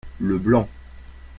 le blanc.